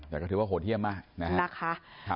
แต่ก็ถือว่าโหดเยี่ยมมากนะครับ